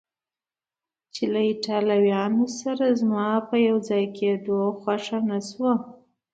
چې له ایټالویانو سره زما په یو ځای کېدو خوښه نه شوه.